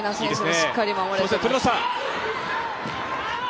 しっかり守れていますね。